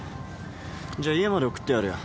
じゃ家まで送ってやるよ。